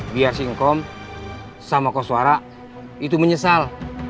biar singkom sama koswara itu menyesal